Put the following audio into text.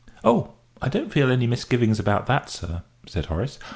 "Oh, I don't feel any misgivings about that, sir," said Horace.